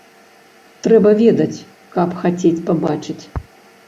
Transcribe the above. Трэба ведаць, каб хацець пабачыць.